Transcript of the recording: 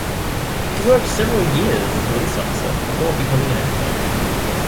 He worked several years as a police officer before becoming an actor.